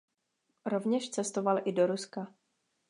Rovněž cestoval i do Ruska.